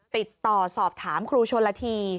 ติดต่อสอบถามครูชนละที